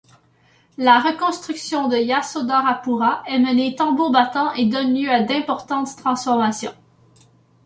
La reconstruction de Yasodharapura est menée tambour battant et donne lieu à d’importantes transformations.